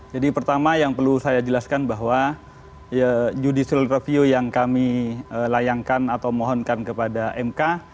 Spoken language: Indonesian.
jadi pertama yang perlu saya jelaskan bahwa judicial review yang kami layankan atau mohonkan kepada mk